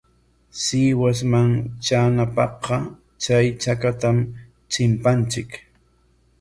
Sihuasman traanapaqqa chay chakatam chimpanchik.